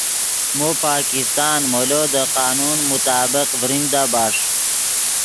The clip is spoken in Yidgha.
مو پاکستان مولو دے قانون مطابق ڤریمدا بݰ